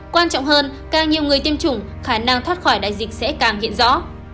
quan trọng hơn càng nhiều người tiêm chủng khả năng thoát khỏi đại dịch sẽ càng hiện rõ